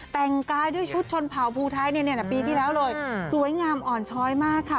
แต่งกายด้วยชุดชนเผาภูไทยปีที่แล้วเลยสวยงามอ่อนช้อยมากค่ะ